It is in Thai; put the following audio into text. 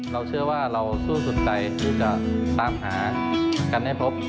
เราเชื่อว่าเราสู้สุดใจที่จะตามหากันให้พบ